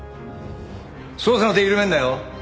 捜査の手緩めんなよ。